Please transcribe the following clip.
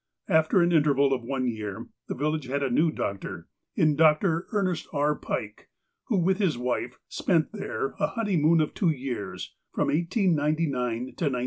After an interval of one year, the village had a new doctor, in Dr. Ernest R. Pike, who, with his wife, spent there a honeymoon of two years, from 1899 to 1901.